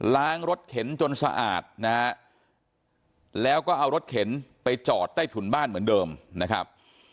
รถเข็นจนสะอาดนะฮะแล้วก็เอารถเข็นไปจอดใต้ถุนบ้านเหมือนเดิมนะครับ